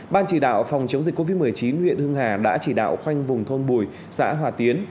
ban chỉ đạo phòng chống dịch covid một mươi chín huyện hưng hà đã chỉ đạo khoanh vùng thôn bùi xã hòa tiến